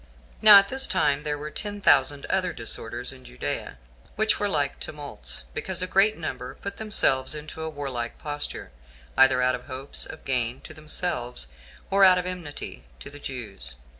4. Now at this time there were ten thousand other disorders in Judea, which were like tumults, because a great number put themselves into a warlike posture, either out of hopes of gain to themselves, or out of enmity to the Jews.